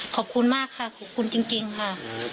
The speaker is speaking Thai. ขอบคุณมากค่ะขอบคุณจริงค่ะ